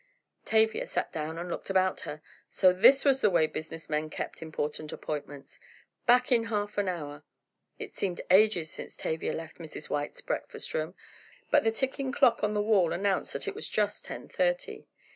Tavia sat down and looked about her. So this was the way business men kept important appointments! Back in half an hour! It seemed ages since Tavia left Mrs. White's breakfast room, but the ticking clock on the wall announced that it was just ten thirty.